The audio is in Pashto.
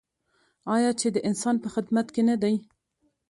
آیا چې د انسان په خدمت کې نه دی؟